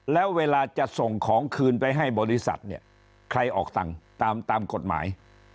แล้วเวลาจะส่งของคืนไปให้บริษัทเนี่ยใครออกตังค์ตามกฎหมาย